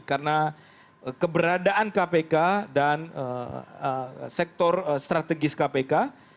karena keberadaan kpk dan sektor strategis kpk